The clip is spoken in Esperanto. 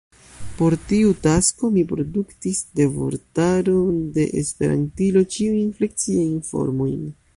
Por tiu tasko mi produktis de vortaro de Esperantilo ĉiujn fleksiajn formojn.